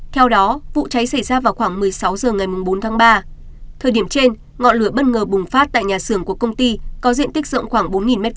theo đó vụ cháy xảy ra vào khoảng một mươi sáu h ngày bốn tháng ba thời điểm trên ngọn lửa bất ngờ bùng phát tại nhà xưởng của công ty có diện tích rộng khoảng bốn m hai